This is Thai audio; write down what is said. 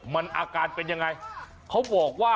มาครั้งนี้มันจะมากินกินขนุนครับ